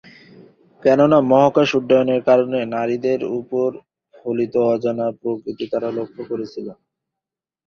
কেননা মহাকাশ উড্ডয়নের কারণে নারীদের ওপর ফলিত অজানা প্রকৃতি তারা লক্ষ করেছিল।